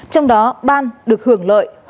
trong đó ban được hưởng lợi hơn một tỷ đồng